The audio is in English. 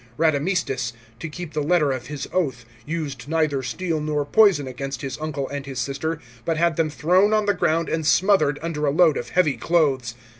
Radamistus, to keep the letter of his oath, used neither steel nor poison against his uncle and his sister, but had them thrown on the ground and smothered under a load of heavy clothes.